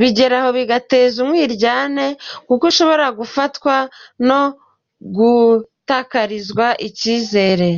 Bigeraho bigateza umwiryane kuko ushobora gufatwa no gutakarizwa icyizere.